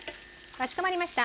かしこまりました。